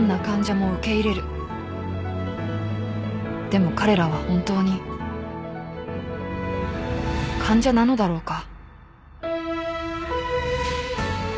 ［でも彼らは本当に患者なのだろうか］